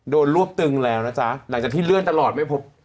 รวบตึงแล้วนะจ๊ะหลังจากที่เลื่อนตลอดไม่พบ